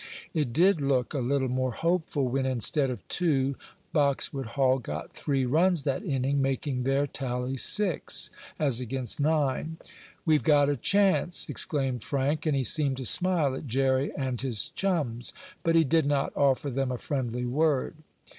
It did look a little more hopeful when, instead of two, Boxwood Hall got three runs that inning, making their tally six, as against nine. "We've got a chance!" exclaimed Frank, and he seemed to smile at Jerry and his chums. But he did not offer them a friendly word.